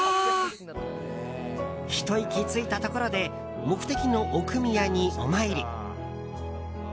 ひと息ついたところで目的の奥宮にお参り。